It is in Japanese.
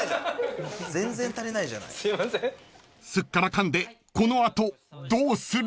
［すっからかんでこの後どうする？］